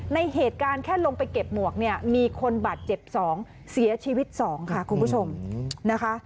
ในเหตุการณ์แค่ลงไปเก็บหมวกเนี่ยมีคนบาดเจ็บ๒เสียชีวิต๒ค่ะคุณผู้ชมนะคะ